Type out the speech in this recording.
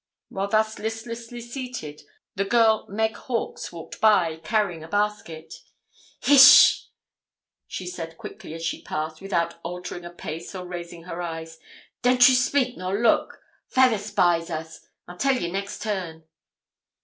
While thus listlessly seated, the girl Meg Hawkes, walked by, carrying a basket. 'Hish!' she said quickly, as she passed, without altering a pace or raising her eyes; 'don't ye speak nor look fayther spies us; I'll tell ye next turn.'